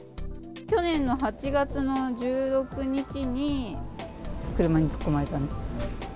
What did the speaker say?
去年の８月の１６日に車に突っ込まれた。